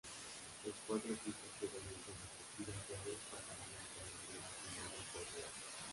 Los cuatro equipos que ganen sus respectivas llaves, pasarán al cuadrangular final del torneo.